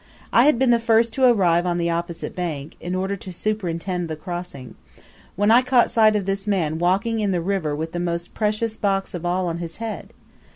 I had been the first to arrive on the opposite bank, in order to superintend the crossing; when I caught sight of this man walking in the river with the most precious box of all on his head.